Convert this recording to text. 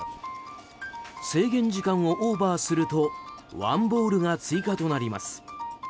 制限時間をオーバーするとワンボールが追加となります。